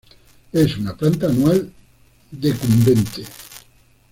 Es una planta anual; decumbente.